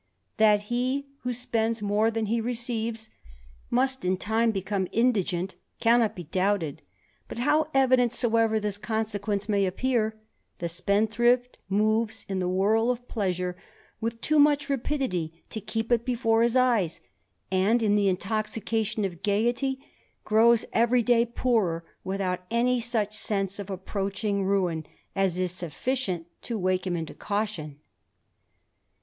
ipi he who spends more than he receives, must in time jx>me indigent, cannot be doubted; but, how evident aver this consequence may appear, the spendthrift moves X the whirl of pleasure with too much rapidity to keep it Defore his eyes, and, in the intoxication of gaiety, grows every day poorer without any such sense of approaching ruin as is sufficient to wake him into caution.